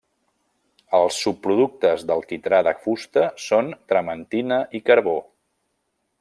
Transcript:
Els subproductes del quitrà de fusta són trementina i carbó.